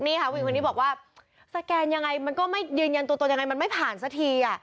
นี่ค่ะผู้หญิงคนนี้บอกว่าสแกนยังไงมันก็ไม่ยืนยันตัวตนยังไงมันไม่ผ่านสักที